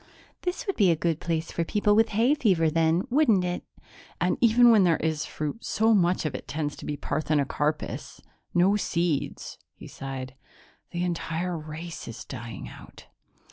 "This would be a good place for people with hay fever then, wouldn't it?" "And even when there is fruit, so much of it tends to be parthenocarpous no seeds." He sighed. "The entire race is dying out."